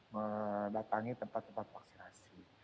mendatangi tempat tempat vaksinasi